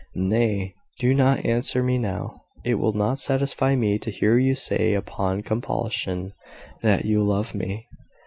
"Nay, do not answer me now. It will not satisfy me to hear you say upon compulsion that you love me.